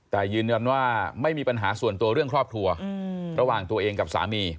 แต่ยืนยันว่าไม่มีปัญหาส่วนตัวเรื่องครอบครัวระหว่างตัวเองกับสามี